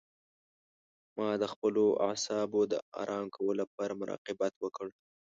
ما د خپلو اعصابو د آرام کولو لپاره مراقبت وکړ.